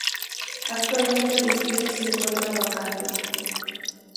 Actualmente el distrito se encuentra vacante.